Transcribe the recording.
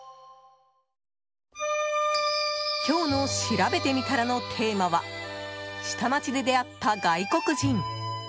今日のしらべてみたらのテーマは、下町で出会った外国人。